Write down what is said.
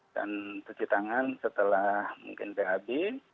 dan cuci tangan setelah mungkin phb